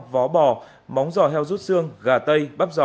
vó bò móng giò heo rút xương gà tây bắp giò